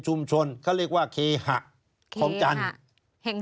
ชีวิตกระมวลวิสิทธิ์สุภาณฑ์